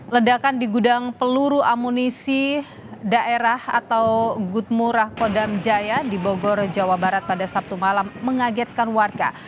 ledakan di gudang peluru amunisi daerah atau gutmurah kodam jaya di bogor jawa barat pada sabtu malam mengagetkan warga